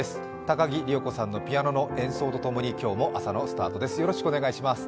高木里代子さんのピアノの演奏とともに今日もスタートです。